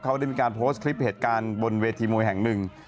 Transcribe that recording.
เขาได้มีการโพสต์คลิปเหตุการณ์บนเวทีมวยแห่งหนึ่ง